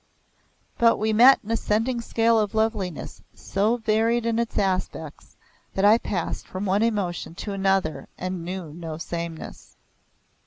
But we met an ascending scale of loveliness so varied in its aspects that I passed from one emotion to another and knew no sameness.